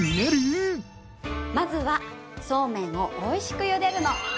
まずはそうめんをおいしくゆでるの。